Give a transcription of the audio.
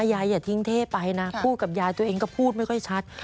อย่าทิ้งเทพไปนะพูดกับยายตัวเองก็พูดไม่ค่อยชัด